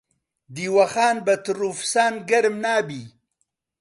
دیوەخان بە تڕ و فسان گەرم نابی.